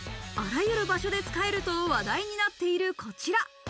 あらゆる場所で使えると話題になっているこちら。